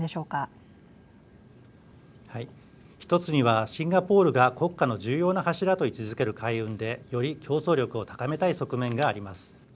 １つにはシンガポールが国家の重要な柱と位置づける海運でより競争力を高めたい側面があります。